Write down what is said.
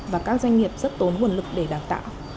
và các doanh nghiệp rất tốn nguồn lực để đào tạo